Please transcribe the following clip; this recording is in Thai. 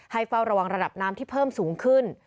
เฝ้าระวังระดับน้ำที่เพิ่มสูงขึ้น